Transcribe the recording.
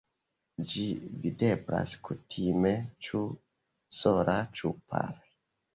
Ĝi videblas kutime ĉu sola ĉu pare.